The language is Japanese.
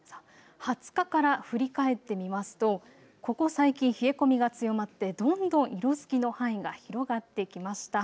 ２０日から振り返ってみますと、ここ最近、冷え込みが強まってどんどん色づきの範囲が広がってきました。